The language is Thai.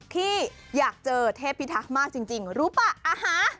ที่อยากเจอเทพิทักษ์มากจริงรู้ป่ะอาหาร